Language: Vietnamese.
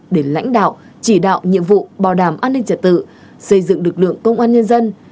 để lãnh đạo chỉ đạo nhiệm vụ bảo đảm an ninh trật tự xây dựng lực lượng công an nhân dân